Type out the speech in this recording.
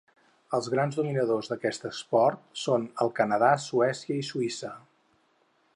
Els grans dominadors d'aquest esport són el Canadà, Suècia i Suïssa.